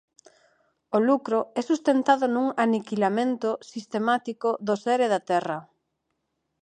O lucro é sustentado nun aniquilamento sistemático do ser e da terra.